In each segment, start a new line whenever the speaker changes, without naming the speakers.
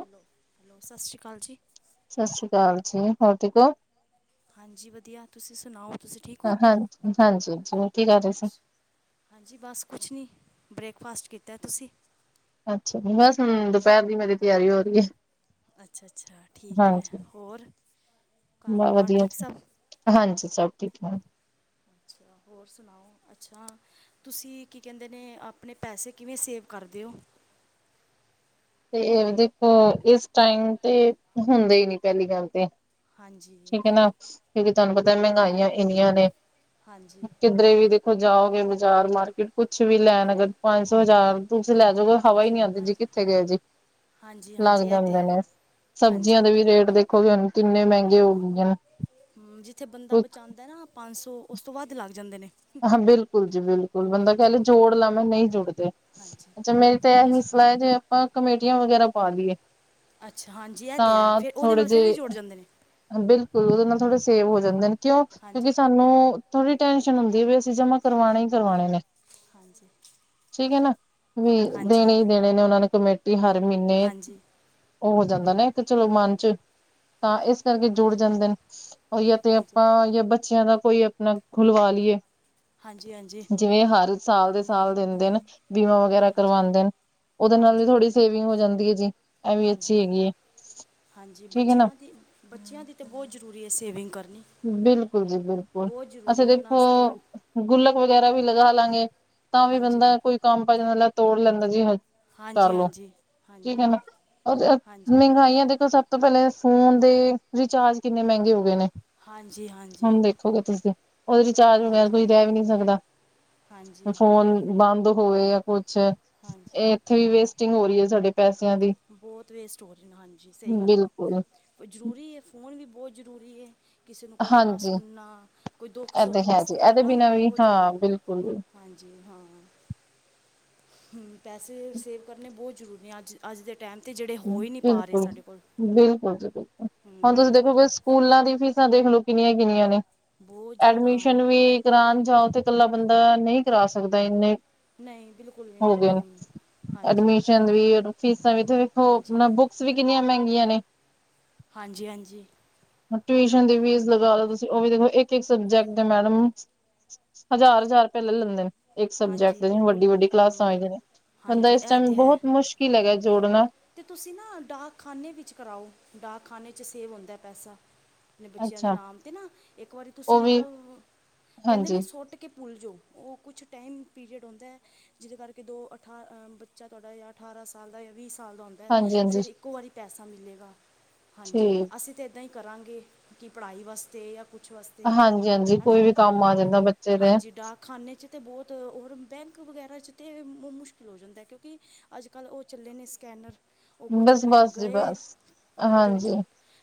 Hello hello ਸਤਿ ਸ਼੍ਰੀ ਅਕਾਲ ਜੀ
ਸਤਿ ਸ਼੍ਰੀ ਅਕਾਲ ਜੀ ਹੋਰ ਠੀਕ ਹੋ
ਹਾਂਜੀ ਵਧੀਆ ਤੁਸੀਂ ਸੁਣਾਓ ਤੁਸੀਂ ਠੀਕ ਹੋ
ਹਾਂਜੀ ਹਾਂਜੀ ਜੀ ਕੀ ਕਰ ਰਹੇ ਸੀ
ਹਾਂਜੀ ਬਸ ਕੁਛ ਨਹੀਂ ਬ੍ਰੇਕਫਾਸਟ ਕੀਤਾ, ਤੁਸੀਂ
ਅੱਛਾ ਜੀ, ਬਸ ਦੁਪਹਿਰ ਦੀ ਮੇਰੀ ਤਿਆਰੀ ਹੋ ਰਹੀ ਹੈ
ਅੱਛਾ ਅੱਛਾ ਠੀਕ ਹੈ ਹੋਰ ਘਰ
ਬਸ
ਪਰਿਵਾਰ
ਵਧੀਆ
ਠੀਕ
ਜੀ
ਸਭ
ਹਾਂਜੀ ਸਭ ਠੀਕ ਹੈ
ਅੱ ਹੋਰ ਸੁਣਾਓ, ਅੱਛਾ ਤੁਸੀਂ ਕੀ ਕਹਿੰਦੇ ਨੇ, ਆਪਣੇ ਪੈਸੇ ਕਿਵੇਂ ਸੇਵ ਕਰਦੇ ਹੋ
ਤੇ ਇਹ ਦੇਖੋ ਇਸ ਟਾਈਮ ਤੇ ਹੁੰਦੇ ਹੀ ਨੀ, ਪਹਿਲੀ ਗੱਲ ਤੇ
ਹਾਂਜੀ
ਠੀਕ ਹੈ ਨਾ, ਕਿਉਂਕਿ ਤੁਹਾਨੂੰ ਪਤਾ
ਹਾਂਜੀ
ਮਹਿੰਗਾਈਆਂ ਇੰਨੀਆਂ ਨੇ
ਹਾਂਜੀ
ਕਿਧਰੇ ਵੀ ਜਾਓਗੇ ਬਾਜ਼ਾਰ ਮਾਰਕੀਟ, ਕੁਛ ਵੀ ਲੈਣ ਅਗਰ ਪੰਜ ਸੌ ਹਜ਼ਾਰ ਤੁਸੀਂ ਲੈ ਜਾੋਗੇ ਹਵਾ ਨੀ ਆਉਂਦੀ ਜੀ,
ਹਾਂਜੀ
ਕਿਥੇ ਗਏ ਜੀ
ਹਾਂਜੀ
ਲੱਗ
ਹਾਂਜੀ ਇਹ ਤਾਂ
ਜਾਂਦੇ
ਹੈ
ਨੇ,
ਹਾਂਜੀ
ਸਬਜ਼ੀਆਂ ਦੇ ਵੀ ਰੇਟ ਦੇਖੋਗੇ ਹੁਣ ਕਿੰਨੇ ਮਹਿੰਗੇ ਹੋ ਗਈਆਂ, ਕੁਛ
ਦ ਨਾ ਪੰਜ ਸੌ, ਉਸ ਤੋਂ ਵੱਧ ਲੱਗ ਜਾਂਦੇ ਨੇ
ਹਾਂ ਬਿਲਕੁਲ ਜੀ ਬਿਲਕੁਲ ਬੰਦਾ ਕਹਿ ਲ
ਹਾਂਜੀ
ਜੋੜ ਲਵਾਂ ਨਹੀਂ ਜੁੜਦੇ
ਹਾਂਜੀ
ਅੱਛਾ ਮੇਰੀ ਤੇ ਇਹ ਵੀ
ਅੱਛਾ
ਸਲਾਹ ਹੈ, ਜੇ ਆਪਾਂ ਕਮੇਟੀਆਂ ਵਗੈਰਾ ਪਾ ਲਈਏ
ਅੱਛਾ ਹਾਂਜੀ ਇਹ ਤਾਂ ਹੈ, ਫਿਰ ਉਹਦੇ
ਥੋੜੇ
ਨਾਲ ਫਿਰ ਵੀ
ਜਿਹੇ
ਜੁੜ ਜਾਂਦੇ ਨੇ
ਬਿਲਕੁਲ ਉਹਦੇ ਨਾਲ ਥੋੜ੍ਹੇ ਸੇਵ
ਹਾਂ,
ਹੋ ਜਾਂਦੇ ਨੇ, ਕਿਉਂ
ਹਾਂਜੀ
ਕਿਉਂਕਿ ਸਾਨੂੰ ਥੋੜ੍ਹੀ ਟੈਂਨਸ਼ਨ ਹੁੰਦੀ ਹੈ, ਵੀ ਅਸੀਂ ਜਮਾ ਕਰਵਾਉਣਾ ਹੀ ਕਰਵਾਣੇ ਨੇ
ਹਾਂਜੀ
ਠੀਕ ਹੈ ਨਾ, ਵੀ
ਹਾਂਜੀ
ਦੇਣੇ ਹੀ ਦੇਣੇ ਨੇ ਉਹਨਾਂ ਨੂੰ ਕਮੇਟੀ ਹਰ ਮਹੀਨੇ
ਹਾਂਜੀ
ਉਹ ਹੋ ਜਾਂਦਾ ਨਾ, ਇੱਕ ਚਲੋ ਮਨ ਚ ਤਾਂ ਇਸ ਕਰਕੇ ਜੁੜ
ਹਾਂਜੀ
ਜਾਂਦੇ ਨੇ, ਔ ਜਾਂ ਤੇ
ਹਾਂਜੀ ਹਾਂਜੀ
ਆਪਾਂ ਜਾਂ ਬੱਚਿਆਂ ਦਾ ਕੋਈ ਨਾ ਖੁਲਵਾ ਲਈਏ
ਹਾਂਜੀ ਹਾਂਜੀ
ਜਿਵੇਂ ਹਰ ਸਾਲ ਦੇ ਸਾਲ ਦਿੰਦੇ ਨ, ਬੀਮਾ ਵਗੈਰਾ
ਹਾਂਜੀ
ਕਰਵਾਉਂਦੇ ਨ ਉਹਦੇ ਨਾਲ ਵੀ
ਹਾਂਜੀ
ਥੋੜ੍ਹੀ ਸੇਵਿੰਗ ਹੋ ਜਾਂਦੀ ਹੈ ਜੀ, ਇਹ ਵੀ ਅੱਛੀ
ਹਾਂਜੀ
ਹੈਗੀ ਹੈ
ਹਾਂਜੀ
ਠੀਕ ਹੈ ਨਾ
ਬੱਚਿਆਂ ਦੀ ਬੱਚਿਆਂ ਦੀ ਤੇ ਬਹੁਤ ਜ਼ਰੂਰੀ ਹੈ ਸੇਵਿੰਗ ਕਰਨੀ
ਬਿਲਕੁਲ ਜੀ ਬਿਲਕੁਲ
ਬਹੁਤ
ਅੱਛਾ
ਜ਼ਰੂਰੀ ਐ, ਉਹਨਾਂ
ਦੇਖੋ
ਆਸਤੇ
ਗੁੱਲਕ ਵਗੈਰਾ ਵੀ ਲਗਾ ਲਾਂਗੇ, ਤਾਂ ਵੀ
ਹਾਂਜੀ
ਬੰਦਾ ਕੋਈ ਕੰਮ ਪੈ ਜਾਂਦਾ ਤੋੜ ਲੈਂਦਾ ਜੀ ਹ
ਹਾਂਜੀ
ਕਰਲੋ
ਹਾਂਜੀ
ਠੀਕ
ਹਾਂਜੀ
ਹੈ ਨਾ, ਉਹ
ਹਾਂਜੀ
ਮਹਿੰਗਾਈਆਂ ਦੇਖੋ ਸਭ ਤੋਂ ਪਹਿਲੇ ਫੋਨ ਦੇ ਰਿਚਾਰਜ ਕਿੰਨੇ ਮਹਿੰਗੇ ਹੋ ਗਏ ਨੇ
ਹਾਂਜੀ ਹਾਂਜੀ
ਹੁਣ ਦੇਖੋਗੇ ਤੁਸੀਂ, ਉਹਦੇ ਰੀਚਾਰੱਜ ਵਗੈਰਾ
ਹਾਂਜੀ
ਕੋਈ ਰਹਿ ਵੀ ਨੀ ਸਕਦਾ। ਹੁਣ
ਹਾਂਜੀ
ਫ਼ੋਨ ਬੰਦ ਹੋਵੇ ਜਾਂ ਕੁਛ
ਹਾਂਜੀ।
ਉੱਥੇ ਵੀ ਵੇਸਟਿੰਗ ਹੋ ਰਹੀ ਏ, ਸਾਡੇ ਪੈਸਿਆਂ ਦੀ।
ਬਹੁਤ ਵੇਸਟ ਹੋ ਰੇ ਨੇ ਹਾਂਜੀ। ਸਹੀ ਗੱਲ ਐ।
ਬਿਲਕੁਲ
ਉਹ ਜ਼ਰੂਰੀ ਏ, ਫ਼ੋਨ ਵੀ ਬਹੁਤ ਜ਼ਰੂਰੀ ਏ। ਕਿਸੇ ਨੂੰ ਕਰਨਾ,
ਹਾਂਜੀ
ਸੁਣਨਾ, ਕੋਈ
ਇਹ ਤੇ
ਦੁੱਖ-ਸੁੱਖ
ਹੈ ਜੀ
ਵਾਸਤੇ
ਇਹਦੇ
ਹਨਾ।
ਬਿਨਾਂ ਵੀ
ਬੋਤ ਜਰ
ਹਾਂ ਬਿਲਕੁਲ
ਹਾਂਜੀ, ਹਾਂ। ਹੂੰ, ਪੈਸੇ ਸੇਵ ਕਰਨੇ ਬਹੁਤ ਜ਼ਰੂਰੀ ਨੇ। ਅੱਜ ਅੱਜ ਦੇ ਟੈਂਮ ਤੇ ਜਿਹੜੇ
ਹ
ਹੋ ਹੀ ਨਹੀਂ ਪਾ ਰਹੇ ਸਾਡੇ ਕੋਲ
ਬਿਲਕੁਲ-ਬਿਲਕੁਲ ਜੀ, ਬਿਲਕੁਲ। ਹੁਣ ਤੁਸੀਂ
ਹਮ,
ਦੇਖੋ ਬ ਸਕੂਲਾਂ ਦੀ ਫੀਸਾਂ ਦੇਖਲੋ ਕਿੰਨੀਆਂ-ਕਿੰਨੀਆਂ ਨੇ।
ਬਹੁਤ ਜ਼ਿਆਦਾ
ਐਡਮਿਸ਼ਨ ਵੀ ਕਰਾਣ ਜਾਓ ਤੇ ਇਕੱਲਾ ਬੰਦਾ ਨਹੀਂ ਕਰਾ ਸਕਦਾ। ਇੰਨੇ
ਨਹੀਂ ਬਿਲਕੁਲ ਵੀ ਨਹੀਂ, ਹੂ ਹਾਂਜੀ।
ਹੁਣ ਵੀ ਇਹਨੂੰ ਫ਼ੀਸਾਂ ਵੀ ਤੇ ਵੇਖੋ,
ਹਾਂਜੀ
ਬੁੱਕਸ ਵੀ ਕਿੰਨੀਆਂ ਮਹਿੰਗੀਆਂ ਨੇ।
ਹਾਂਜੀ-ਹਾਂਜੀ।
ਹੁਣ ਟਵੀਸ਼ਨ ਦੀ ਫ਼ੀਸ ਲਗਾਲੋ ਤੁਸੀਂ। ਉਹ ਵੀ ਦੇਖੋ ਇੱਕ-ਇੱਕ ਸਬਜੈਕਟ ਦੇ ਮੈਡਮ ਹਜ਼ਾਰ-ਹਜ਼ਾਰ ਰੁਪਏ ਲੈ ਲੈਂਦੇ ਨੇ। ਇੱਕ ਸਬਜੈਕਟ,
ਹਾਂਜੀ
ਜਿਵੇ
ਬਿਲਕੁਲ
ਵੱਡੀ-ਵੱਡੀ
ਹਮ,
ਕਲਾਸਾਂ ਆ ਜਾਂਦੀਆਂ ਨੇ। ਬੰਦਾ
ਹਾਂਜੀ
ਇਸ
ਇਹ ਤੇ
ਟਾਈਮ
ਹੈ
ਬਹੁਤ ਮੁਸ਼ਕਿਲ ਹੈਗਾ ਜੋੜਨਾ।
ਤੇ ਤੁਸੀਂ ਨਾ, ਡਾਕਖਾਨੇ ਵਿੱਚ ਕਰਾਓ, ਡਾਕਖਾਨੇ 'ਚ ਸੇਵ ਹੁੰਦਾ ਪੈਸਾ। ਆਪਣੇ ਬੱਚਿਆਂ ਦੇ
ਅੱਛਾ
ਨਾਮ ਤੇ ਨਾ। ਇੱਕ ਵਾਰੀ ਤੁਸੀਂ
ਉਹ ਵੀ
ਮਤਲਬ, ਕਹਿੰਦੇ
ਹਾਂਜੀ,
ਨੇ ਸੁੱਟ ਕੇ ਭੁੱਲਜੋ। ਉਹ ਕੁਛ ਟਾਈਮ ਪੀਰੀਅਡ ਹੁੰਦਾ ਐ। ਜਿਹਦੇ ਕਰਕੇ ਦੋ ਅਠਾ, ਬੱਚਾ ਤੁਹਾਡਾ ਜਾਂ ਅਠਾਰਾਂ ਸਾਲ ਦਾ ਜਾਂ ਵੀਹ ਸਾਲ ਦਾ ਹੁੰਦਾ।
ਹਾਂਜੀ, ਹਾਂਜੀ
ਫਿਰ ਇੱਕੋ ਵਾਰੀ ਪੈਸਾ ਮਿਲੇਗਾ, ਹਾਂਜੀ।
ਠੀਕ
ਅਸੀਂ ਤੇ ਇੱਦਾਂ ਈ ਕਰਾਂਗੇ, ਕਿ ਪੜ੍ਹਾਈ ਵਾਸਤੇ ਜਾਂ ਕੁਛ ਵਾਸ ਤੇ
ਹਾਂਜੀ, ਹਾਂਜੀ
ਹਨਾ,
ਕੋਈ ਵੀ ਕੰਮ ਆ
ਹਾਂ।
ਜਾਂਦਾ ਬੱਚੇ ਦੇ
ਹਾਂਜੀ, ਡਾਕਖ਼ਾਨੇ 'ਚ ਤੇ ਬਹੁਤ ਔਰ, ਬੈਂਕ ਵਗੈਰਾ 'ਚ ਤੇ ਮੁ-ਮੁਸ਼ਕਿਲ ਹੋ ਜਾਂਦਾ। ਕਿਉਂਕਿ ਅੱਜ-ਕੱਲ੍ਹ ਉਹ ਚੱਲੇ ਨੇ ਸਕੈਨਰ। ਉਹ ਕੁਛ
ਬਸ, ਬਸ ਜੀ
ਗਏ-ਗਏ
ਬਸ
ਉਹਦੇ
ਹਾਂਜੀ
ਵਿੱਚੋਂ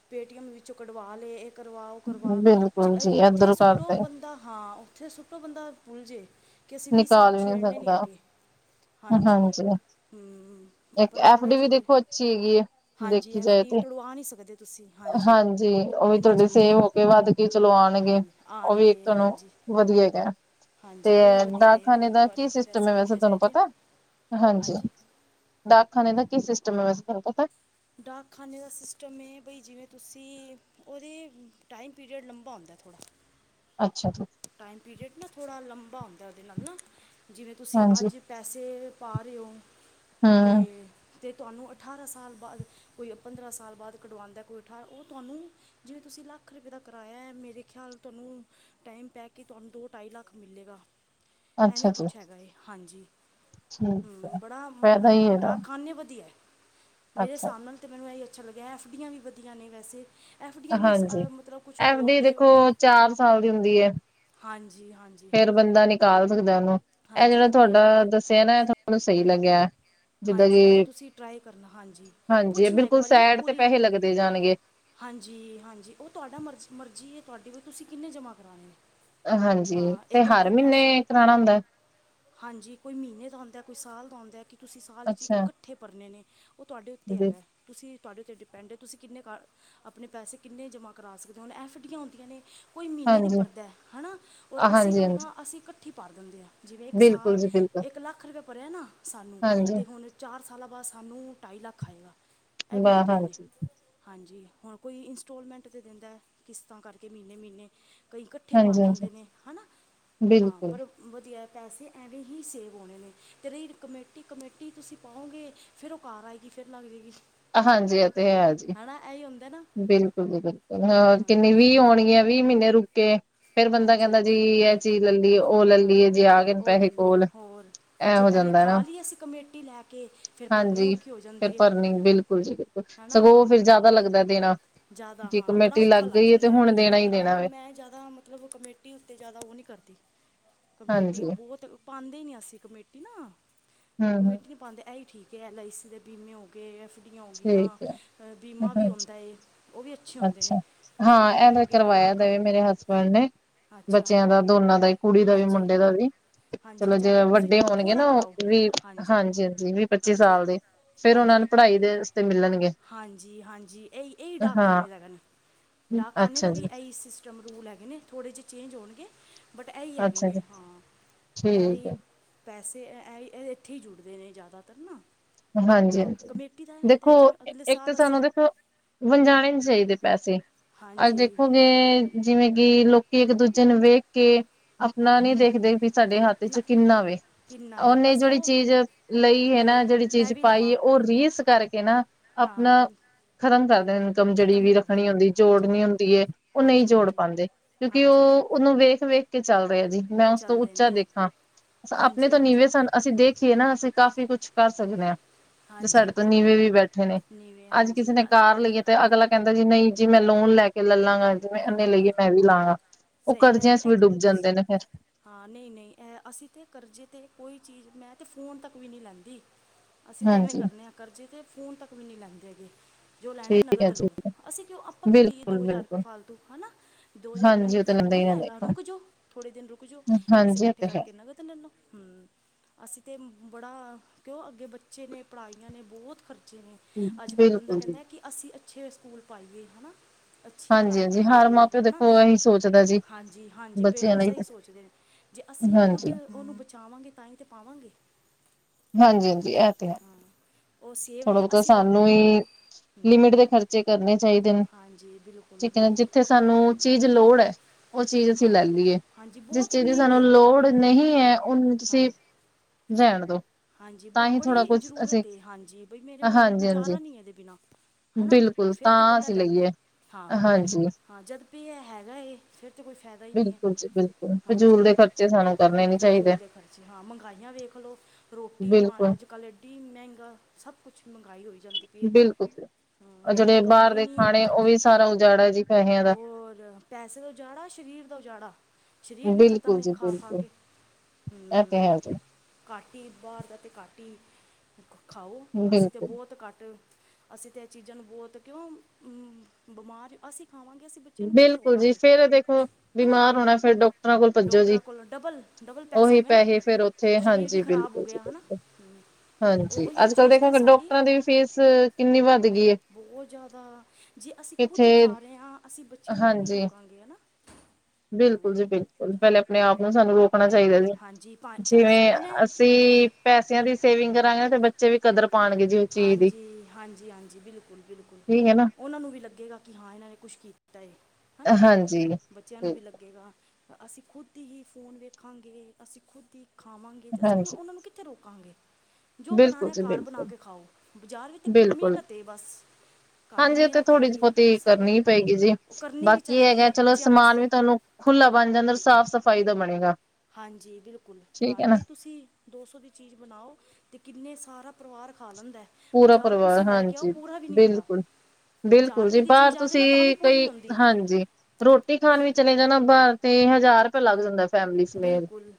ਪੇਟੀਐੱਮ ਵਿੱਚੋਂ ਕਢਵਾ ਲੇ। ਇਹ ਕਰਵਾ, ਉਹ ਕਰਵਾ, ਜੇ
ਬਿਲਕੁਲ ਜੀ
ਉੱਥੇ
ਇਧਰ
ਸੁੱਟੋ
ਕਰਦੇ
ਬੰਦਾ, ਹਾਂ। ਉਹ ਉੱਥੇ ਸੁੱਟੋ ਬੰਦਾ ਭੁੱਲਜੇ।
ਨਿਕਾਲ ਨੀ ਸਕਦਾ, ਹਾਂਜੀ।
ਹਮ,
ਇੱਕ
ਪਰ ਬੜਾ ਹੀ
ਐਫ-ਡੀ ਵੀ
ਜ਼ਰੂਰੀ
ਦੇਖੋ ਅੱਛੀ ਹੈਗੀ ਏ,
ਹਾਂਜੀ
ਦੇਖੀ ਜਾਏ
ਐਫਡੀ
'ਤੇ।
ਤੁੜਵਾ ਨਹੀਂ ਸਕਦੇ ਤੁਸੀਂ
ਹਾਂਜੀ। ਉਹ ਵੀ
ਇੰਨੀ
ਤੁਹਾਡੀੇ
ਜਲਦੀ
ਸੇਵ ਹੋ ਕੇ ਵੱਧ ਕੇ ਚਲੋ ਆਂਣਗੇ।
ਹਾਂਜੀ
ਉਹ ਵੀ ਇੱਕ
ਆਣਗੇ
ਤੁਹਾਨੂੰ
ਹਾਂਜੀ
ਵਧੀਆ ਹੈਗਾ। ਤੇ
ਹਾਂਜੀ। ਉਹ ਵੀ ਵਧੀਆ ਹੈ
ਡਾਕਖਾਨੇ
ਇੱਕ
ਦਾ
ਵਾਰੀ
ਕੀ ਸਿਸਟਮ ਐ, ਵੈਸੇ
ਵੇਖਿਆ ਜਾਏ
ਤੁਹਾਨੂੰ
ਤੇ
ਪਤਾ। ਹਾਂਜੀ। ਡਾਕਖ਼ਾਨੇ ਦਾ ਕੀ ਸਿਸਟਮ ਐ, ਵੈਸੇ ਤਵਾਨੂੰ ਪਤਾ।
ਡਾਕਖਾਾਨੇ ਦਾ ਸਿਸਟਮ ਏ ਬਈ, ਜਿਵੇਂ ਤੁਸੀਂ ਉਹਦੀ ਟਾਈਮ ਪੀਰੀਅਡ ਲੰਬਾ ਹੁੰਦਾ ਥੋੜ੍ਹਾ।
ਅੱਛਾ ਜੀ।
ਟਾਈਮ ਪੀਰੀਅਡ ਨਾ ਥੋੜ੍ਹਾ ਲੰਬਾ ਹੁੰਦਾ ਉਹਦੇ ਨਾਲ ਨਾ। ਜਿਵੇਂ ਤੁਸੀਂ
ਹਾਂਜੀ
ਅੱਜ ਪੈਸੇ ਪਾ ਰਹੇ ਓ
ਹੂੰ
ਤੇ ਤੇ ਤੁਹਾਨੂੰ ਅਠਾਰਾਂ ਸਾਲ ਬਾਅਦ, ਕੋਈ ਪੰਦਰਾਂ ਸਾਲ ਬਾਅਦ, ਕਢਵਾਂਣ ਦਾ ਕੋਈ ਅਠਾਰਾਂ। ਉਹ ਤੁਹਾਨੂੰ ਜਿਵੇਂ ਤੁਸੀਂ ਲੱਖ ਰੁਪਏ ਦਾ ਕਰਾਇਆ ਐ। ਮੇਰੇ ਖ਼ਿਆਲ ਤੁਹਾਨੂੰ ਟਾਈਮ ਪੈ ਕੇ ਤੁਹਾਨੂੰ ਦੋ-ਢਾਈ ਲੱਖ ਮਿਲੇਗਾ। ਐਵੇਂ
ਅੱਛਾ ਜੀ
ਕੁਛ ਹੈਗਾ ਏ, ਹਾਂਜੀ।
ਠੀਕ
ਹੂੰ,
ਹੈ
ਬੜਾ
ਫਾਇਦਾ ਹੀ ਇਹਦਾ
ਡਾਕਖਾਨੇ ਵਧੀਐ। ਮੇਰੇ
ਅੱਛਾ
ਹਿਸਾਬ ਨਾਲ ਤਾਂ ਮੈਨੂੰ ਇਹੀ ਅੱਛਾ ਲੱਗਿਆ ਐਫ ਡੀਆਂ ਵੀ ਵਧੀਆ ਨੇ ਵੈਸੇ ਐਫ ਡੀਆਂ ਵੀ
ਹਾਂਜੀ
ਅ ਮਤਲਬ ਕੁਛ
ਐਫ
ਹੋਣ
ਡੀ
ਤੇ
ਦੇਖੋ ਚਾਰ ਸਾਲ ਦੀ ਹੁੰਦੀ ਐ।
ਹਾਂਜੀ-ਹਾਂਜੀ।
ਫੇਰ ਬੰਦਾ ਨਿਕਾਲ ਸਕਦਾ ਉਹਨੂੰ ਇਹ
ਹਾਂਜੀ
ਜਿਹੜਾ
ਉਹ ਤੇ
ਤੁਹਾਡਾ ਦੱਸਿਆ ਨਾ ਇਹ ਤੁਹਾਨੂੰ ਸਹੀ
ਹਾਂ
ਲੱਗਿਆ। ਜਿੱਦਾਂ
ਹਾਂਜੀ,
ਕਿ
ਇਹ ਤੁਸੀਂ ਟਰਾਈ ਕਰਨਾ ਹਾਂਜੀ
ਹਾਂਜੀ
ਪੁੱਛਣਾ ਇੱਕ
ਬਿਲਕੁਲ
ਵਾਰੀ ਨਾ
ਸੈਡ ਤੇ
ਪੂਰੀ
ਪੈਸੇ ਲੱਗਦੇ ਜਾਣਗੇ
ਹਾਂਜੀ-ਹਾਂਜੀ। ਉਹ ਤੁਹਾਡਾ ਮਰਜ਼-ਮਰਜ਼ੀ ਤੁਹਾਡੀ ਵੀ ਤੁਸੀਂ ਕਿੰਨੇ ਜਮ੍ਹਾਂ ਕਰਾਵਾਣੇ ਨੇ।
ਹਾਂਜੀ।
ਹਾਂ
ਤੇ
ਇੱਕ
ਹਰ
ਇੱਕ ਐਫ
ਮਹੀਨੇ ਕਰਾਣਾ ਹੁੰਦਾ ਐ।
ਹਾਂਜੀ। ਕੋਈ ਮਹੀਨੇ ਦਾ ਹੁੰਂਦਾ ਕੋਈ ਸਾਲ ਦਾ ਹੁੰਦਾ ਐ, ਕਿ ਤੁਸੀਂ ਸਾਲ ਵਿੱਚ
ਅੱਛਾ
ਇਕੱਠੇ ਬਰਨੇ ਨੇ ਉਹ ਤੁਹਾਡੇ ਉੱਤੇ
ਜੀ,
ਹੈਗਾ, ਤੁਸੀਂ ਤੁਹਾਡੇ ਉੱਤੇ ਡਿਪੈਂਡ ਐ, ਤੁਸੀਂ ਕਿੰਨੇ ਕ ਆਪਣੇ ਪੈਸੇ ਕਿੰਨੇ ਜਮ੍ਹਾਂ ਕਰਾ ਸਕਦੇ ਓ, ਹੁਣ ਐਫ ਡੀਆਂ ਹੁੰਦੀਆਂ ਨੇ ਕੋਈ ਮਹੀਨੇ ਦੀ
ਹਾਂਜੀ
ਭਰਦਾ ਐ ਹਨਾ। ਔਰ ਅਸੀਂ
ਹਾਂਜੀ
ਲੋਕ
ਹਾਂਜੀ
ਹਾਂ ਅਸੀਂ ਇਕੱਠੀ ਭਰ ਦਿੰਦੇ ਆ। ਜਿਵੇਂ ਇੱਕ
ਬਿਲਕੁਲ ਜੀ ਬਿਲਕੁਲ
ਸਾਹ ਇੱਕ ਲੱਖ ਰੁਪਏ ਭਰਿਆ ਨਾ ਸਾਨੂੰ
ਹਾਂਜੀ
ਤੇ ਹੁਣ ਚਾਰ ਸਾਲਾਂ ਬਾਅਦ ਸਾਨੂੰ ਢਾਈ ਲੱਖ ਆਏਗਾ, ਇਹ ਵੀ
ਵਾਹ
ਹੁੰਦੀਆਂ ਨੇ।
ਹਾਂਜੀ
ਹਾਂਜੀ, ਹੁਣ ਕੋਈ ਇੰਸਟੋਲਮੈਂਟ ਤਾਂ ਦਿੰਦਾ ਕਿਸ਼ਤਾਂ ਕਰਕੇ ਮਹੀਨੇ-ਮਹੀਨੇ ਕਈ ਇਕ ਕੱਠੇ ਭਰ
ਹਾਂਜੀ ਹਾਂਜੀ
ਦਿੰਦੇ ਨੇ ਹਨਾ। ਹਾਂ
ਬਿਲਕੁਲ
ਪਰ ਵਧੀਆ ਪੈਸੇ ਐਵੇਂ ਹੀ ਸੇਵ ਹੋਣੇ ਨੇ, ਤੇ ਰੀ ਕਮੇਟੀ- ਕਮੇਟੀ ਤੁਸੀਂ ਪਾਓਗੇ ਫੇਰ ਉਹ ਘਰ ਆਏਗੀ, ਫਿਰ ਲੱਗ ਜਾਏਗੀ।
ਹਾਂਜੀ ਇਹ ਤੇ ਹੈ ਜੀ,
ਹਨਾ ਐ ਹੀ ਹੁੰਦਾ ਨਾ
ਬਿਲਕੁਲੀ-ਬਿਲਕੁਲ ਹਾਂ ਕਿੰਨੀ
ਐ ਹੀ
ਵੀਹ
ਹੁੰਦਾ
ਹੋਣਗੀਆਂ। ਵੀਹ ਮਹੀਨੇ ਰੁਕੇ ਕੇ ਫੇਰ ਬੰਦਾ
ਹਾਂਜੀ
ਕਹਿੰਦਾ ਜੀ, ਇਹ ਚੀਜ਼ ਲੈ ਲਈਏ ਉਹ ਲੈ
ਹਾਂ
ਲਈਏ, ਜੇ ਆ ਗਏ ਨੇ
ਉਹ
ਪੈਸੇ
ਲੱਲੇ
ਕੋਲ
ਹੋਰ
ਐ
ਜੇ
ਹੋ
ਪਹਿਲੇ
ਜਾਂਦਾ ਨਾ
ਖਾ ਲਈ ਅਸੀਂ ਕਮੇਟੀ ਲੈ ਕੇ ਫਿਰ ਭਰਨੀ
ਹਾਂਜੀ
ਔਖੀ ਹੋ
ਫਿਰ
ਜਾਂਦੀ ਏ।
ਭਰਨੀ ਬਿਲਕੁਲ ਜੀ ਬਿਲਕੁਲ, ਸਗੋਂ ਫਿਰ ਜ਼ਿਆਦਾ ਲੱਗਦਾ ਦੇਣਾ।
ਜ਼ਿਆਦਾ
ਜੇ
ਹਾਂ ਬੜਾ
ਕਮੇਟੀ
ਔਖਾ ਲੱਗ
ਗਈ ਹੈ ਤੇ
ਜਾਂਦਾ ਐ,
ਹੁਣ ਦੇਣਾ ਹੀ ਦੇਣਾ
ਅ
ਵੇ
ਮੈਂ ਜ਼ਿਆਦਾ ਮ ਮਤਲਬ ਕਮੇਟੀ ਉੱਤੇ ਜ਼ਿਆਦਾ ਉਹ ਈ ਕਰਦੀ ਕਮੇਟੀ
ਹਾਂਜੀ
ਬੋਤ ਪਾਂਂਦੇ ਨਈ ਅਸੀਂ ਕਮੇਟੀ ਨਾ
ਹੂੰ ਹੂੰ
ਕਮੇਟੀ ਨੀ ਪਾਂਦੇ, ਐ ਹੀ ਠੀਕ ਐ, ਐੱਲ ਆਈ ਸੀ ਦੇ ਬੀਮੇ ਹੋ ਗੇ, ਐਫ ਡੀਆਂ
ਠੀਕ
ਹੋਗੀਆਂ,
ਹੈ
ਬੀਮਾ ਵੀ
ਹਾਂਜੀ
ਆਂਉਦਾ ਏ। ਉਹ ਵੀ ਅੱਛੇ ਹੁੰਦੇ
ਅੱਛਾ
ਨੇ ਤੇ
ਹਾਂ ਇਹ
ਬੀਮੇ ਹੋ
ਦਾ
ਗਏ ਅਦਾ
ਕਰਵਾਇਆ
ਕਰ
ਦੇਵੇ ਮੇਰੇ ਹਸਬੈਂਡ ਨੇ
ਅੱਛਾ
ਬੱਚਿਆਂ ਦਾ ਦੋਨਾਂ ਦਾ ਈ ਕੁੜੀ ਦਾ ਵੀ
ਹਾਂਜੀ
ਮੁੰਡੇ ਦਾ ਵੀ
ਹਾਂਜੀ
ਚਲੋ ਜੇ
ਚਾਹੇ ਤੁਸੀਂ
ਵੱਡੇ ਹੋਣਗੇ
ਥੋੜਾ
ਨਾ
ਕਰਾਓ
ਉਹ ਵੀਹ,
ਹਾਂਜੀ
ਹਾਂਜੀ-ਹਾਂਜੀ ਵੀਹ- ਪੱਚੀ
ਹਾਂਜੀ
ਸਾਲ ਦੇ ਫੇਰ ਉਹਨਾਂ
ਹਾਂਜੀ
ਨੂੰ ਪੜ੍ਹਾਈ ਬੈਸ ਤੇ ਮਿਲਣਗੇ ਅਹਾਂ।
[unintelligible] ਡਾਕ ਖਾਨੇ ਦਾ ਵੀ ਐਈ ਸਿਸਟਮ ਰੂਲ ਹੈਗੇ, ਥੋੜ੍ਹੇ ਜਿਹੇ ਚੇਂਜ ਹੋਣਗੇ। ਬਟ ਇਹੀ ਹੈਗੇ
ਅੱਛਾ
ਨੈ
ਜੀ
ਹਾਂ,
ਠੀਕ
ਇਹੀ
ਹੈ
ਪੈਸੇ ਅਅ ਐ ਇੱਥੇ ਹੀ ਜੁੜਦੇ ਨੇ ਜ਼ਿਆਦਾਤਰ ਨਾ ਹਾਂ
ਹਾਂਜੀ-ਹਾਂਜੀ
ਕਮੇਟੀ ਦਾ ਇਹ ਹੁੰਦਾ ਹੈ
ਦੇਖੋ,
ਜਿਵੇਂ ਅਗਲੇ
ਇੱਕ ਤਾਂ
ਸਾਲ
ਸਾਨੂੰ
ਅਸੀਂ
ਦੇਖੋ ਵਣਜਾਣੇ ਨੀ ਚਾਈਦੇ ਪੈਸੇ ਅੱਜ
ਹਾਂਜੀ
ਦੇਖੋਗੇ। ਜਿਵੇਂ ਕਿ ਲੋਕੀ ਇੱਕ ਦੂਜੇ ਨੂੰ ਵੇਖ ਕੇ ਆਪਣਾ
ਹਾਂ
ਨੀ ਦੇਖਦੇ, ਵੀ ਸਾਡੇ ਹੱਥ ਚ
ਨਾ
ਕਿੰਨਾ ਵੇ
ਕਿੰਨਾ ਹੈ
ਉਹਨੇ
ਬਸ
ਜਿਹੜੀ
ਉਹ
ਚੀਜ਼ ਲਈ ਹੈ ਨਾ, ਜਿਹੜੀ
ਮੈਂ
ਚੀਜ਼
ਵੀ
ਪਾਈਏ,
ਲਵਾਂ
ਉਹ ਰੀਸ ਕਰਕੇ ਨਾ
ਹਾਂ
ਆਪਣਾ ਖ਼ਤਮ ਕਰਦੇ ਇਨਕਮ ਜਿਹੜੀ
ਖਤਮ
ਵੀ
ਕਰ
ਰੱਖਣੀ ਹੁੰਦੀ
ਹਾਂਜੀ
ਜੋੜਨੀ ਹੁੰਦੀ ਹੈ, ਉਹ ਨਈ
ਹਾਂਜੀ
ਜੋੜ
ਹਾਂਜੀ
ਪਾਦੇ ਕਿਉਂਕਿ
ਹਾਂਜੀ
ਉਹ ਉਹਨੂੰ ਵੇਖ-ਵੇਖ ਕੇ ਚੱਲ ਰਿਹਾ ਜੀ, ਮੈਂ ਉਸ ਤੋਂ
ਚੱਲਦੇ
ਉੱਚਾ
ਨੇ
ਦੇਖਾਂ ਆਪਣੇ
ਹਾਂਜੀ
ਤੋਂ
ਹਾਂਜੀ
ਨੀਵੇਂ ਸਨ। ਅਸੀਂ ਦੇਖੀਏ, ਨਾ ਅਸੀਂ ਕਾਫ਼ੀ ਕੁਛ ਕਰ ਸਕਦੇ ਆ। ਤੇ
ਹਾਂਜੀ
ਸਾਡੇ ਤੋਂ
ਬਿਲਕੁਲ
ਨੀਵੇਂ ਵੀ ਬੈਠੇ ਨੇ,
ਨੀਵੇਂ
ਅੱਜ
ਹਾਂਜੀ
ਕਿਸੇ ਨੇ
ਅ-
ਘਰ ਲਈ ਏ ਤੇ ਅਗਲਾ ਕਹਿੰਦਾ ਜੀ ਨਈ ਜੀ ਮੈਂ ਲੋਨ ਲੈ ਕੇ ਲੈ ਲਾਂਗਾ ਜੀ, ਮੈ ਇਹਨੇ ਲਈਏ
ਹਾਂ
ਮੈਂ ਵੀ ਲਾਗਾ। ਉਹ
ਸਹੀ ਇਹ ਇਹ
ਕਰਜ਼ਿਆਂ ਚ
ਤਾਂ
ਵੀ ਡੁੱਬ
ਬਿਲਕੁਲ
ਜਾਂਦੇ ਨੇ ਫੇਰ
ਹਾਂ ਨਈ-ਨਈ ਇਹ ਅਸੀਂ ਤਾਂ ਕਰਜ਼ੇ ਤੇ ਕੋਈ ਚੀਜ਼ ਮੈਂ ਤੇ ਫ਼ੋਨ ਤੱਕ ਵੀ ਨੀ ਲੈਂਦੀ। ਅਸੀਂ ਤਾਂ ਐਵੇਂ
ਹਾਂਜੀ
ਕਰਨੇ ਆ ਕਰਜ਼ੇ ਤੇ ਫੋਨ ਤੱਕ ਵੀ ਨੀ ਲੈਂਦੇ ਹੈਗੇ। ਜੋ ਲੈਣਾ
ਠੀਕ ਹੈ
ਨਗਦ
ਜੀ
ਲਓ, ਅਸੀਂ ਕਿਉਂ ਆਪਾਂ ਕਿਉਂ ਦੇਈਏ, ਦੋ ਹਜ਼ਾਰ ਰੁਪਏ
ਬਿਲਕੁਲ-ਬਿਲਕੁਲ
ਫਾਲਤੂ ਹਨਾ ਦੋ ਹਜ਼ਾਰ
ਹਾਂਜੀ
ਮੈਨੂੰ
ਤਾਂ ਲੈਂਦਾ
ਉਹ
ਹੀ
ਨੀ ਆਏਗਾ,
ਰਹਿੰਦਾ
ਰੁਕ ਜੋ ਥੋੜੇ ਦਿਨ ਰੁਕ ਜਾਓ, ਪੈਸੇ
ਹਾਂਜੀ ਇਹ
ਇਕੱਠੇ
ਤੇ ਹੈ
ਕਰਕੇ ਨਕਦ ਲੇ ਲੋ ਹੂੰ ਅਸੀਂ ਤਾਂ ਬੜਾ, ਕਿਉਂ ਅੱਗੇ ਬੱਚੇ ਨੇ ਪੜ੍ਹਾਈਆਂ ਨੇ ਬੋਤ ਖਰਚੇ ਨੇ, ਅੱਜ ਕੱਲ ਬੰਦਾ
ਬਿਲਕੁਲ ਜੀ
ਕਹਿੰਦਾ ਕਿ, ਅਸੀਂ ਅੱਛੇ ਸਕੂਲ ਪਾਈਏ ਹਨਾ। ਅੱਛੀ ਪੜ੍ਹਾਈ
ਹਾਂਜੀ-ਹਾਂਜੀ ਹਰ
ਕਰੀਏ
ਮਾਂ ਪਿਓ
ਹਨਾ।
ਦੇਖੋ ਇਹੀ ਸੋਚਦਾ ਜੀ
ਹਾਂਜੀ-ਹਾਂਜੀ
ਬੱਚਿਆਂ
ਪੇਰੈਂਟਸ
ਲਈ
ਇਹੀ ਸੋਚਦੇ ਨੇ, ਜੇ ਅਸੀਂ ਖੁੱਦ
ਹਾਂਜੀ।
ਉਹਨੂੰ ਬਚਾਵਾਂਗੇ ਤਾਂਹੀ ਤੇ। ਪਾਵਾਂਗੇ।
ਹਾਂਜੀ-ਹਾਂਜੀ, ਇਹ ਤੇ ਹੈ।
ਹਾਂ, ਉਹ ਸੇਵ
ਥੋੜਾ
ਤਾਂ
ਬਹੁਤਾ
ਅਸੀਂ ਕਰਨੇ
ਸਾਨੂੰ
ਨੇ ਨਾ,
ਹੀ ਲਿਮਿਟ ਦੇ ਖਰਚੇ ਕਰਨੇ ਚਾਹੀਦੇ ਨੇ।
ਹਾਂਜੀ ਬਿਲਕੁਲ
ਠੀਕ
[inaudible]
ਜਿੱਥੇ ਸਾਨੂੰ ਚੀਜ਼ ਲੋੜ ਐ।
ਹਾਂ, ਹਾਂਜੀ
ਜਿਸ
ਬਹੁਤ
ਚੀਜ਼ ਦੀ
ਨੀਡ
ਸਾਨੂੰ
ਏ,
ਲੋੜ
ਹੂੰ
ਨਹੀਂ ਹੈ ਉਹਨੂੰ ਤੁਸੀਂ
ਹਾਂਜੀ।
ਰਹਿਣ ਦੋ
ਹਾਂਜੀ,
ਤਾਂ
ਬਹੁਤ
ਹੀ ਥੋੜਾ
ਬੜੀ
ਕੁਛ ਅਸੀਂ
ਜ਼ਰੂਰਤ ਏ ਹਾਂਜੀ। ਬਈ ਮੇਰੇ ਹੁਣ
ਹਾਂਜੀ-ਹਾਂਜੀ
ਗੁਜ਼ਾਰਾ ਨੀ ਇਹਦੇ ਬਿਨਾਂ ਹਨਾ
ਬਿਲਕੁਲ
ਫੇਰ
ਤਾਂ
ਤੇ ਬੰਦਾ
ਅਸੀਂ
ਲੈ ਲੇ,
ਲਈਏ
ਹਾਂ
ਹਾਂਜੀ
ਹਾਂ ਜਦ ਵੀ ਇਹ ਹੈਗਾ ਫਿਰ ਤੇ ਕੋਈ ਫਾਇਦਾ ਈ ਨੀ ਐ,
ਬਿਲਕੁਲ ਜੀ ਬਿਲਕੁਲ
ਹਾਂਜੀ
ਫਜ਼ੂਲ ਦੇ ਖਰਚੇ ਸਾਨੂੰ ਕਰਨੇ ਨੀ
ਫਜ਼ੂਲ
ਚਾਹੀਦੇ
ਦੇ ਖਰਚੇ ਹਾਂ ਮਹਿੰਗਾਈਆਂ ਵੇਖ ਲਓ। ਰੋਟੀ ਪਾ ਅੱਜ ਕੱਲ੍ਹ ਐਡੀ ਮਹਿੰਗਾ ਸਭ ਕੁਛ ਮਹਿੰਗਾਈ ਹੋਈ ਜਾਂਦੀ। ਪਈ ਹੈ
ਬਿਲਕੁਲ
ਹਾਂ,
ਉਹ
ਇੰਨੀ
ਜਿਹੜੇ ਬਾਰ
ਕਮਾਈ
ਦੇ
ਨਹੀਂ ਹੈ
ਖਾਣੇ ਉਹ ਵੀ ਸਾਰਾ ਉਜਾੜਾ ਜੀ ਪੈਸਿਆਂ ਦਾ।
ਜਾੜਾ ਸਰੀਰ ਦਾ ਜਾੜਾ, ਸਰੀਰ ਵੀ ਖ਼ਤਮ ਐ ਖਾ ਖਾ ਕੇ।
ਐ ਤੇ
ਹਮ,
ਹੈ ਜੀ।
ਘੱਟ ਈ ਬਾਰ ਦਾ ਤੇ ਘੱਟ ਈ ਖਾਓ ਅਸੀਂ ਤਾਂ
ਬਿਲਕੁਲ
ਬਹੁਤ ਘੱਟ ਅਸੀਂ ਤਾਂ ਇਹ ਚੀਜ਼ਾਂ ਨੂੰ ਬਹੁਤ ਕਿਉਂ, ਬਿਮਾਰ ਅਸੀਂ ਖਾਵਾਂਗੇ ਅਸੀਂ ਬੱਚਿਆਂ ਨੂੰ ਕਿੱਥੇ
ਬਿਲਕੁਲ ਜੀ
ਰੋਕਾਂਗੇ।
ਫੇਰ ਦੇਖੋ,
ਹਨਾ
ਬਿਮਾਰ ਹੋਣਾ ਫੇਰ ਡਾਕਟਰਾਂ ਕੋਲ ਭੱਜੋ ਜੀ
ਡਾਕਟਰਾਂ ਕੋਲ ਡਬਲ ਡਬਲ ਪੈਸਾ
ਉਹੀ
ਹੋ ਗਿਆ ਨਾ
ਪੈਸੇ ਫੇਰ ਥੇ
ਸਰੀਰ ਵੀ
ਹਾਂਜੀ
ਖਰਾਬ ਹੋ
ਬਿਲਕੁਲ ਜੀ
ਗਿਆ ਹਨਾ
ਬਿਲਕੁਲ,
ਉਹ
ਹਾਂਜੀ
ਉਹੀ ਉਹ
ਅੱਜ-ਕੱਲ੍ਹ
ਚੀਜ਼ ਤੇ
ਦੇਖਾਂਗੇ
ਸਾਡੀ
ਡਾਕਟਰਾਂ ਦੀ ਵੀ ਫੀਸ ਕਿੰਨੀ ਵੱਧ ਗਈ ਐ।
ਬਹੁਤ ਜ਼ਿਆਦਾ ਜੇ ਅਸੀਂ ਖੁਦ ਦਿਖਾ ਰਹੇ ਹਾਂ ਅਸੀਂ ਬੱਚਿਆਂ ਨੂੰ ਕਿਵੇਂ
ਹਾਂਜੀ
ਰੁਕਾਂਗੇ ਹੈ ਨਾ।
ਬਿਲਕੁਲ ਜੀ ਬਿਲਕੁਲ, ਪਹਿਲੇ ਆਪਣੇ ਆਪ ਨੂੰ ਸਾਨੂੰ ਰੋਕਣਾ
ਆਪਣੇ ਆਪ
ਚਾਹੀਦਾ
ਨੂੰ
ਜੀ।
ਹਾਂਜੀ ਭਾ- ਚਾਹੇ
ਜਿਵੇਂ
ਫੋਨ ਹੈ ਤੇ
ਅਸੀਂ ਪੈਸਿਆਂ ਦੀ ਸੇਵਿੰਗ ਕਰਾਂਗੇ ਤੇ ਬੱਚੇ ਵੀ ਕਦਰ ਪਾਣਗੇ ਜਿਵੇ
ਹਾਂਜੀ ਹਾਂਜੀ ਹਾਂਜੀ ਬਿਲਕੁਲ ਬਿਲਕੁਲ,
ਠੀਕ ਹੈ ਨਾ
ਉਹਨਾਂ ਨੂੰ ਵੀ ਲੱਗੇਗਾ। ਕਿ ਹਾਂ ਇਹਨਾਂ ਨੇ ਕੁਛ ਕੀਤਾ ਐ।
ਹਾਂਜੀ,
ਬੱਚਿਆਂ ਨੂੰ
ਤੇ
ਵੀ ਲੱਗੇਗਾ, ਅਸੀਂ ਖੁਦ ਈ ਫ਼ੋਨ ਵੇਖਾਂਗੇ ਅਸੀਂ ਖੁਦ ਈ ਖਾਵਾਂਗੇ ਤੇ ਅਸੀਂ ਉਹ
ਹਾਂਜੀ
ਉਹਨਾਂ ਨੂੰ ਕਿੱਥੇ ਰੋਕਾਂਗੇ ਜੋ
ਬਿਲਕੁਲ
ਬਣਾਣਾ
ਜੀ
ਘਰ ਬਣਾ
ਬਿਲਕੁਲ
ਕੇ ਖਾਓ। ਬਜ਼ਾਰ ਵਿੱਚ
ਬਿਲਕੁਲ
ਮਿਹਨਤ ਐ ਬਸ ਘਰ
ਹਾਂਜੀ ਐ ਤੇ
ਮਿਹਨਤ
ਥੋੜ੍ਹੀ ਜਿਹੀ
ਹੈਗੀ ਹੈ
ਬਹੁਤੀ
ਸਾਨੂੰ
ਕਰਨੀ ਪਏਗੀ ਜੀ
ਉਹ ਕਰਨੀ ਵੀ
ਬਾਕੀ
ਚਾਹੀਦੀ
ਹੈਗਾ
ਹੈ
ਚਲੋ
ਬੱਚਿਆਂ
ਸਮਾਨ
ਵਾਸਤੇ
ਵੀ ਤੁਹਾਨੂੰ ਖੁੱਲਾ ਬਣ ਜਾਂਦਾ ਸਾਫ਼ ਸਫ਼ਾਈ ਦਾ ਬਣੇਗਾ।
ਹਾਂਜੀ ਬਿਲਕੁਲ
ਠੀਕ
ਘਰ
ਹੈ ਨਾ
'ਤੇ ਤੁਸੀਂ ਦੋ ਸੌ ਦੀ ਚੀਜ਼ ਬਣਾਓ ਤੇ ਕਿੰਨੇ ਸਾਰਾ ਪਰਿਵਾਰ ਖਾ ਲੈਂਦਾ।
ਪੂਰਾ
ਬਾਜ਼ਾਰੋਂ
ਪਰਿਵਾਰ
ਤੁਸੀਂ ਲੈ ਕੇ ਆਓ
ਹਾਂਜੀ
ਪੂਰਾ ਵੀ ਨਹੀਂ ਹੁੰਦਾ
ਬਿਲਕੁਲ,
ਹਜ਼ਾਰ
ਬਿਲਕੁਲ ਜੀ
ਰੁਪਏ ਦੀ
ਬਾਰ
ਚੀਜ਼ ਆ ਜਾਏ ਨਾ
ਤੁਸੀਂ
ਤਾਂ ਵੀ ਪੂਰੀ
ਕਈ
ਨਹੀਂ ਹੁੰਦੀ
ਹਾਂਜੀ। ਰੋਟੀ ਖਾਣ ਵੀ ਚਲੇ ਜਾਣਾ ਬਾਹਰ ਤੇ ਹਜ਼ਾਰ ਰੁਪਇਆ ਲੱਗ ਜਾਂਦਾ। ਫੈਮਲੀ ਸਮੇਤ,
ਬਿਲਕੁਲ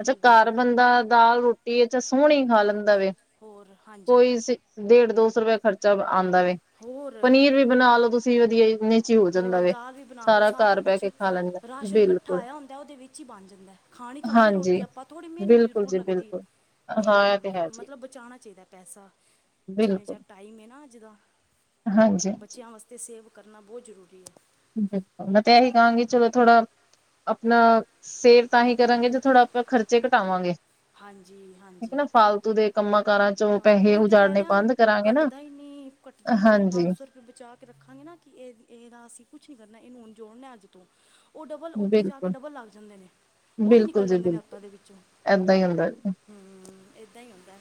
ਅੱਛਾ ਘਰ
ਬਿਲਕੁਲ
ਬੰਦਾ ਦਾਲ, ਰੋਟੀ ਅੱਛਾ ਸੋਹਣੀ ਖਾ ਲੈਂਦਾ ਵੇ,
ਹੋਰ ਹਾਂਜੀ
ਕੋਈ ਡੇਢ ਦੋ ਸੌ ਰੁਪਇਆ ਖ਼ਰਚਾ ਆਉਂਦਾ ਵੇ,
ਹੋਰ
ਪਨੀਰ ਵੀ ਬਣਾ ਲੋ ਤੁਸੀਂ ਵਧੀਆ ਜਿਹਾ
ਹੋਰ ਦਾਲ ਵੀ ਬਣਾ ਦੋ, ਸਾਰਾ ਕੁਛ
ਕੇ ਖਾ ਲੈਂਦਾ
ਰਾਸ਼ਨ ਇਕੱਠਾ
ਬਿਲਕੁਲ
ਆਇਆ ਹੁੰਦਾ ਉਹਦੇ ਵਿੱਚ ਹੀ ਬਣ ਜਾਂਦਾ ਐ। ਖਾਣੀ ਤੇ ਹੁੰਦੀ
ਹਾਂਜੀ।
ਰੋਟੀ ਆਪਾਂ ਥੋੜ੍ਹੀ ਮਿਹਨਤ
ਬਿਲਕੁਲ
ਜ਼ਰੂਰ
ਜੀ
ਲੱਗਦੀ,
ਬਿਲਕੁਲ ਹਾਂ ਇਹ ਤੇ
ਹੂੰ,
ਹੈ ਜੀ
ਮਤਲਬ ਬਚਾਣਾ ਚਾਹੀਦਾ ਪੈਸਾ, ਜਿਹੋ
ਬਿਲਕੁਲ
ਜਿਹਾ ਟਾਈਮ ਐ ਨਾ ਅੱਜ ਦਾ,
ਹਾਂਜੀ ਹਾਂਜੀ
ਬੱਚਿਆਂ ਵਾਸ ਤੇ ਸੇਵ ਕਰਨਾ ਬਹੁਤ ਜ਼ਰੂਰੀ ਐ।
ਬਿਲਕੁਲ, ਮੈਂ ਤੇ ਇਹੀ ਕਹਾਂਗੀ ਚਲੋ ਥੋੜਾ ਆਪਣਾ ਸੇਵ ਤਾਂ ਹੀ ਕਰਾਂਗੇ ਜੇ ਥੋੜ੍ਹਾ ਆਪਾਂ ਖ਼ਰਚੇ ਘਟਾਵਾਂਗੇ।
ਹਾਂਜੀ
ਠੀਕ ਹੈ
ਹਾਂਜੀ।
ਨਾ ਫਾਲਤੂ ਦੇ ਕੰਮਾਂ ਕਾਰਾਂ ਚੋਂ
ਹਾਂ
ਪੈਸੇ
ਉਹੀ ਤੇ ਕਹਿ
ਉਜਾੜਨੇ
ਰਿਹਾ
ਬੰਦ ਕਰਾਂਗੇ ਨਾ
ਘੱਟਦਾ ਹੀ ਨੀ ਘੱਟਦਾ ਹੀ ਨੀ
ਹਾਂਜੀ
ਪੰਜ ਸੌ ਬਚਾ ਕੇ ਰੱਖਾਂਗੇ ਨਾ ਕਿ ਇਹ ਇਹਦਾ ਅਸੀਂ ਕੁਛ ਨੀ ਕਰਨਾ ਇਹਨੂੰ ਹੁਣ ਜੋੜਨਾ ਅੱਜ ਤੋਂ। ਉਹ ਡਬਲ ਉੱਥੇ ਜਾ ਕੇ
ਬਿਲਕੁਲ
ਡਬਲ ਲੱਗ ਜਾਂਦੇ ਨੇ, ਉਹ ਵੀ
ਬਿਲਕੁਲ
ਨਿਕਲ
ਜੀ
ਜਾਂਦੇ ਨੇ
ਬਿਲਕੁਲ
ਹੱਥਾਂ ਦੇ ਵਿੱਚੋਂ।
ਏਦਾਂ ਹੀ ਹੁੰਦਾ।
ਹੂੰ ਏਦਾਂ ਹੀ ਹੁੰਦਾ।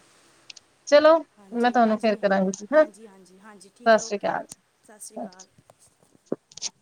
ਚਲੋ ਮੈਂ
ਹਾਂਜੀ
ਤੁਹਾਨੂੰ ਫੇਰ
ਹਾਂਜੀ
ਕਰਾਂਗੀ ਜੀ ਹਾਂ
ਹਾਂਜੀ ਹਾਂਜੀ ਹਾਂਜੀ
ਸਤਿ
ਠੀਕ ਐ
ਸ੍ਰੀ
ਓਕੇ। ਸਸ ਸੀ ਕਾਲ।
ਹ